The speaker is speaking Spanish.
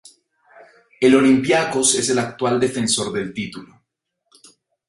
El Olympiacos es el actual defensor del título.